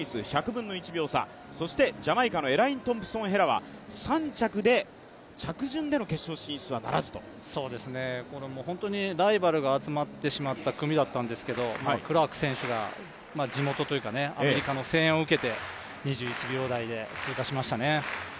１００分の１秒差そして、ジャマイカのエライン・トンプソン・ヘラは３着で着順での決勝進出はならずと本当にライバルが集まってしまった組だったんですけれどもクラーク選手が、地元というかアメリカの声援を受けて２１秒台で通過しましたね。